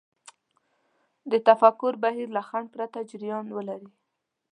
د تفکر بهير له خنډ پرته جريان ولري.